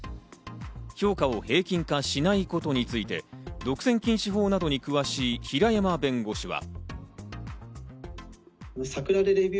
評価を平均化しないことについて独占禁止法などに詳しい平山弁護士は。